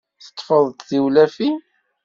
Teṭṭfeḍ-d tiwlafin?